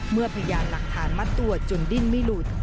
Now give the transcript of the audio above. พยานหลักฐานมัดตัวจนดิ้นไม่หลุด